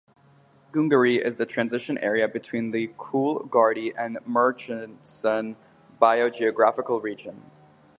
Goongarrie is the transition area between the Coolgardie and Murchison Biogeographical region.